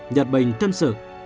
nhật bình thêm sự